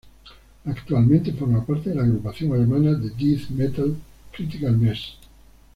Actualmente forma parte de la agrupación alemana de death metal Critical Mess.